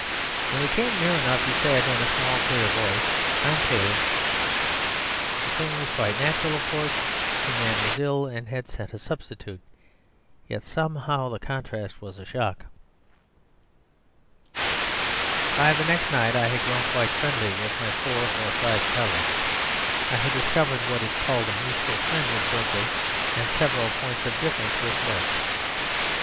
When he came near enough he said, in a small, clear voice, "I'm Paley." The thing was quite natural, of course; the man was ill and had sent a substitute. Yet somehow the contrast was a shock. By the next night I had grown quite friendly with my four or five colleagues; I had discovered what is called a mutual friend with Berkeley and several points of difference with Burke.